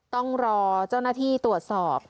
ต้องรอเจ้าหน้าที่ตรวจสอบ